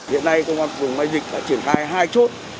hiện nay công an phường mai dịch đã triển khai hai chốt